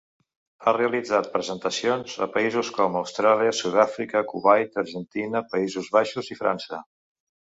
Ha realitzat presentacions a països com Austràlia, Sud-àfrica, Kuwait, Argentina, Països Baixos i França.